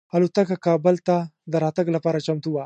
الوتکه کابل ته د راتګ لپاره چمتو وه.